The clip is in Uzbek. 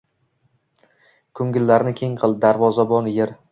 Ko‘ngillarni keng qil, daryozabon ber